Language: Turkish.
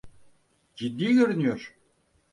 Ciddi görünüyor.